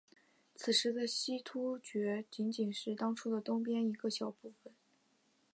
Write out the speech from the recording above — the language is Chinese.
此时的西突厥仅仅是当初的东边一小部分。